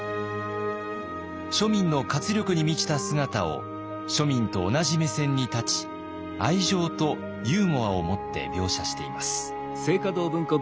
庶民の活力に満ちた姿を庶民と同じ目線に立ち愛情とユーモアをもって描写しています。